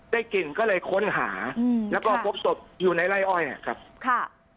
ได้กลิ่นก็เลยค้นหาแล้วก็พบสดอยู่ในไร้อ้อยเนี้ยครับค่ะ